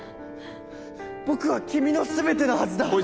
僕は君の全てのはずだ。